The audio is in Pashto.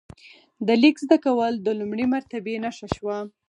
د لیک زده کول د لوړې مرتبې نښه شوه.